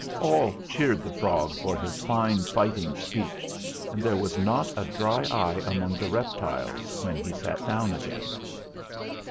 All cheered the frog for his fine fighting speech, and there was not a dry eye among the reptiles when he sat down again.